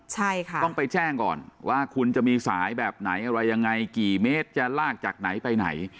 ใช่ค่ะต้องไปแจ้งก่อนว่าคุณจะมีสายแบบไหนอะไรยังไงกี่เมตรจะลากจากไหนไปไหน